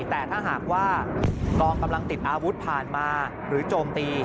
แต่ถ้าหากว่ากองกำลังติดอาวุธผ่านมาหรือโจมตี